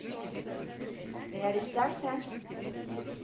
Eğer istersen…